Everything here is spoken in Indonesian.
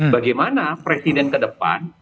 bagaimana presiden ke depan